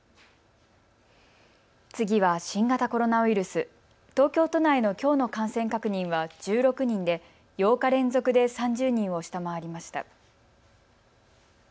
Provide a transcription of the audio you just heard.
次は新型コロナウイルス、東京都内のきょうの感染確認は１６人で８日連続で３０人を下回りました。